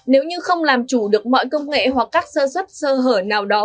nếu như không làm chủ được mọi công nghệ hoặc các sơ xuất sơ hở nào đó